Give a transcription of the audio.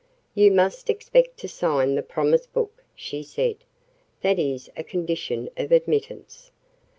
"You must expect to sign the promise book," she said. "That is a condition of admittance."